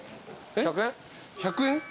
１００円？